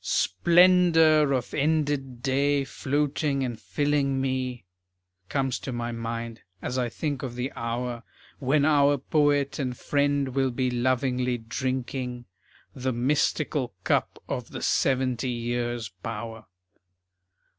"Splendor of ended day floating and filling me,"[B] Comes to my mind as I think of the hour When our poet and friend will be lovingly drinking The mystical cup of the seventy years' power.